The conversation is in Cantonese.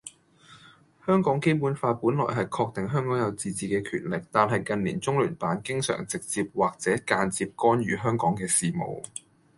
香港基本法本來係確定香港有自治嘅權力，但係近年中聯辦經常直接或者間接干預香港嘅事務。